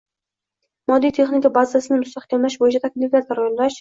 moddiy-texnika bazasini mustahkamlash bo‘yicha takliflar tayyorlash